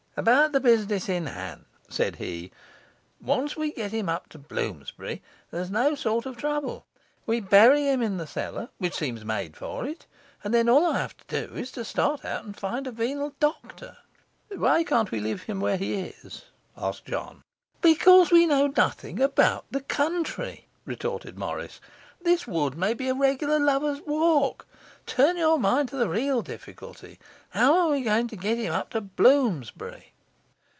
'About the business in hand,' said he, 'once we can get him up to Bloomsbury, there's no sort of trouble. We bury him in the cellar, which seems made for it; and then all I have to do is to start out and find a venal doctor.' 'Why can't we leave him where he is?' asked John. 'Because we know nothing about the country,' retorted Morris. 'This wood may be a regular lovers' walk. Turn your mind to the real difficulty. How are we to get him up to Bloomsbury?